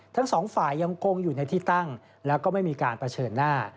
ทั้งสองฝ่ายยังคงอยู่ในที่ตั้งแล้วก็ไม่มีการเผชิญหน้า